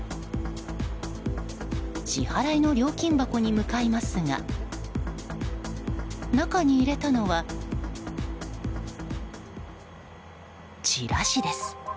支払いの料金箱に向かいますが中に入れたのは、チラシです。